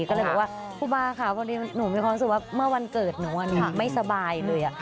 ก็เลยบอกว่าครูบาค่ะพอดีหนูมีความรู้สึกว่าเมื่อวันเกิดหนูไม่สบายเลย